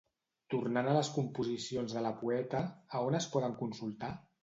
Tornant a les composicions de la poeta, a on es poden consultar?